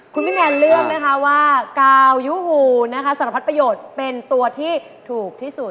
คุณพี่แมนเลือกนะคะว่ากาวยูฮูนะคะสารพัดประโยชน์เป็นตัวที่ถูกที่สุด